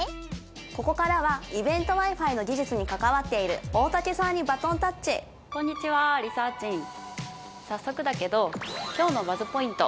ここからはイベントＷｉ−Ｆｉの技術に関わっている大竹さんにバトンタッチこんにちはリサーちん早速だけど今日のＢＵＺＺポイント